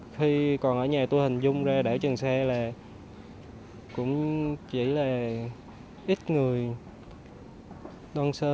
khi còn ở nhà tôi hình dung ra đảo trường xa là cũng chỉ là ít người đoan sơ